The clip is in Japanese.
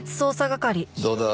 どうだ？